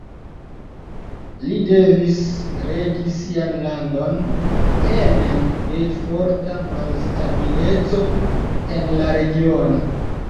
Li devis regi sian landon ene de forta malstabileco en la regiono.